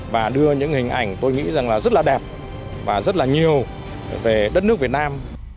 và đưa những hình ảnh tôi nghĩ rất là đẹp và rất là nhiều về đất nước việt nam